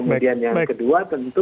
kemudian yang kedua tentu